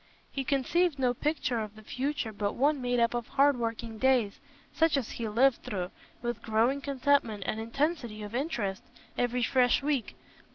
He conceived no picture of the future but one made up of hard working days such as he lived through, with growing contentment and intensity of interest, every fresh week.